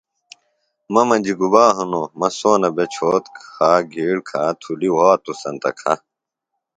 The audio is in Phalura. مہ مجیۡ گُبا ہنوۡ مہ سونہ بےۡ چھوت کھا گِھیڑ کھا تُھلیۡ وھاتوۡ سینتہ کھہ